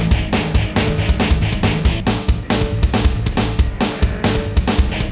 mau terlalu kering keren juga nih